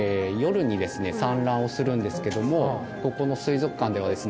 産卵をするんですけどもここの水族館ではですね